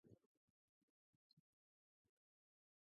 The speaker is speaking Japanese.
どうしてですか？